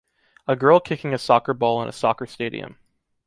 A girl kicking a soccer ball in a soccer stadium.